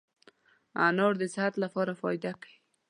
انار دي صحت لپاره فایده کوي